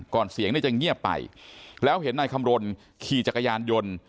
เสียงเนี่ยจะเงียบไปแล้วเห็นนายคำรณขี่จักรยานยนต์